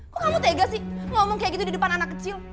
kok kamu tega sih ngomong kayak gitu di depan anak kecil